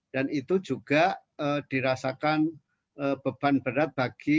dan itu juga dirasakan beban berat bagi